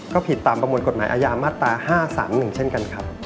ก็ผิดตามประมวลกฎหมายอาญามาตรา๕๓๑เช่นกันครับ